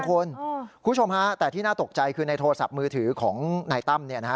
คุณผู้ชมฮะแต่ที่น่าตกใจคือในโทรศัพท์มือถือของนายตั้ม